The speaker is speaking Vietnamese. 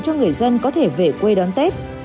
cho người dân có thể về quê đón tết